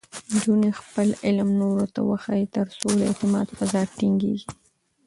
نجونې خپل علم نورو ته وښيي، ترڅو د اعتماد فضا ټینګېږي.